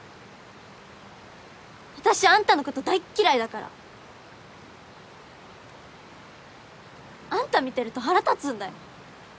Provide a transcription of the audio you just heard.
私あんたのこと大っ嫌いだから。あんた見てると腹立つんだよ。